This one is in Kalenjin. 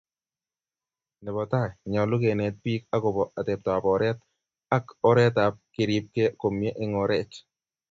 Nebo tai, nyalu kenet bike agobo ateptab oret ak oretap keripkei komie eng oret